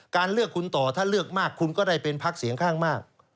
เลือกคุณต่อถ้าเลือกมากคุณก็ได้เป็นพักเสียงข้างมาก